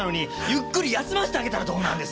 ゆっくり休ませてあげたらどうなんですか。